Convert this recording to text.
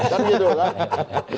kan gitu kan